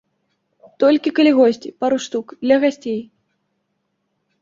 Толькі калі госці, пару штук, для гасцей.